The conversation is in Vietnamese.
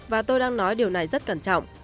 và tôi đang nói điều này rất cẩn trọng